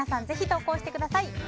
ぜひ投稿してください。